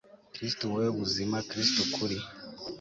kristu wowe buzima, kristu kuri